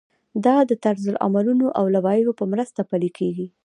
دا د طرزالعملونو او لوایحو په مرسته پلی کیږي.